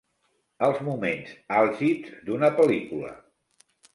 Els moments àlgids d'una pel·lícula.